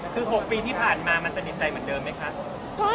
คือ๖ปีที่ผ่านมามันสนิทใจเหมือนเดิมไหมคะ